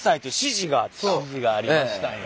指示がありましたんよ。